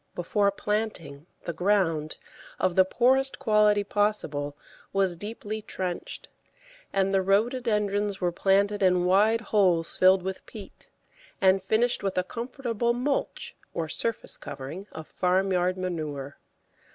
Before planting, the ground, of the poorest quality possible, was deeply trenched, and the Rhododendrons were planted in wide holes filled with peat, and finished with a comfortable "mulch," or surface covering of farmyard manure.